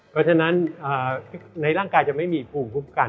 เพราะฉะนั้นในร่างกายจะไม่มีภูมิคุ้มกัน